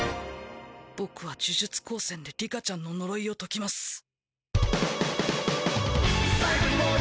僕は呪術高専で里香ちゃんの呪いを解きます。